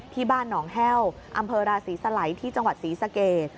ที่บ้านหนองแห้วอำเภอราศีสลัยที่จังหวัดศรีสะเกด